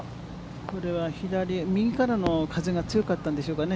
これは右からの風が強かったんでしょうかね。